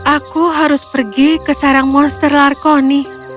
aku harus pergi ke sarang monster larkoni